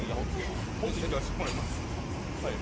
もついかせてもらいます。